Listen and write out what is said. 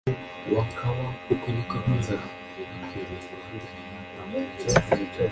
Uko ni ko abantu bari bakwiriye guhagaraga nkabarinzi